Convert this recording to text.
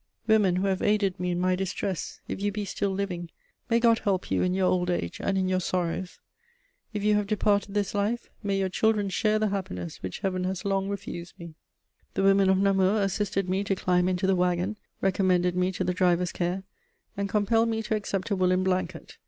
Women who have aided me in my distress, if you be still living, may God help you in your old age and in your sorrows! If you have departed this life, may your children share the happiness which Heaven has long refused me! The women of Namur assisted me to climb into the wagon, recommended me to the driver's care, and compelled me to accept a woollen blanket.